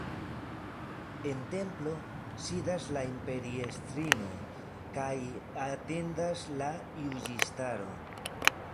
En templo sidas la imperiestrino kaj atendas la juĝistaro.